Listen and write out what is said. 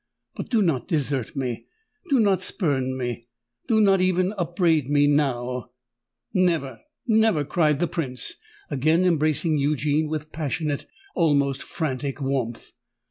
"But do not desert me—do not spurn me—do not even upbraid me now!" "Never—never!" cried the Prince, again embracing Eugene with passionate—almost frantic warmth.